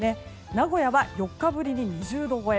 名古屋は４日ぶりに２度超え。